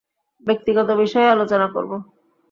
ব্যক্তিগত বিষয়ে আলোচনা করবো।